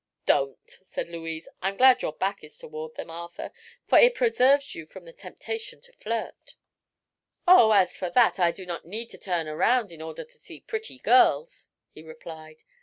"Don't," said Louise. "I'm glad your back is toward them, Arthur, for it preserves you from the temptation to flirt." "Oh, as for that, I do not need to turn around in order to see pretty girls," he replied.